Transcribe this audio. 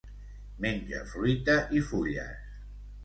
Menja fruita i fulles.